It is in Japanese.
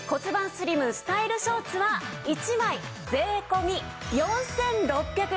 スリムスタイルショーツは１枚税込４６８０円です。